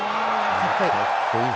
かっこいい。